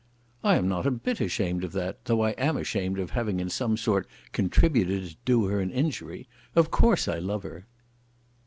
"I am not a bit ashamed of that, though I am ashamed of having in some sort contributed to do her an injury. Of course I love her."